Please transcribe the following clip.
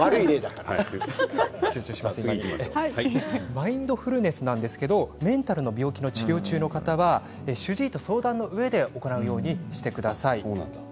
マインドフルネスですがメンタルの病気の治療中の方は主治医と相談したうえで行うようにしてください。